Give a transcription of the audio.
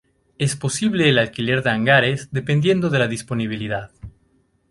Es posible el alquiler de hangares dependiendo de la disponibilidad.